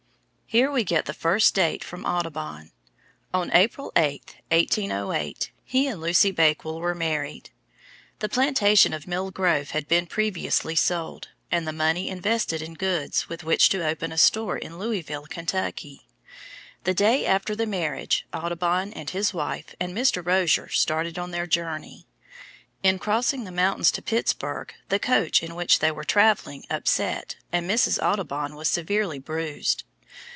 Here we get the first date from Audubon; on April 8, 1808, he and Lucy Bakewell were married. The plantation of Mill Grove had been previously sold, and the money invested in goods with which to open a store in Louisville, Kentucky. The day after the marriage, Audubon and his wife and Mr. Rozier started on their journey. In crossing the mountains to Pittsburg the coach in which they were travelling upset, and Mrs. Audubon was severely bruised.